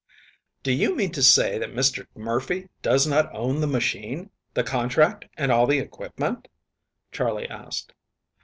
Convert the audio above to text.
"DO you mean to say that Mr. Murphy does not own the machine, the contract, and all the equipment?" Charley asked.